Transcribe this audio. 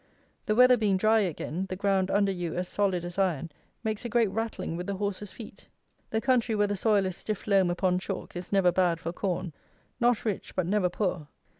The weather being dry again, the ground under you, as solid as iron, makes a great rattling with the horses' feet. The country where the soil is stiff loam upon chalk is never bad for corn. Not rich, but never poor.